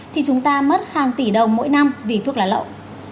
thì chúng ta mất hàng tỷ đồng mỗi năm vì thuốc lá lậu